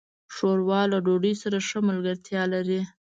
ښوروا له ډوډۍ سره ښه ملګرتیا لري.